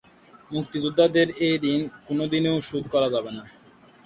মুক্তিযোদ্ধাদের এই ঋণ কোনোদিনও শোধ করা যাবে না।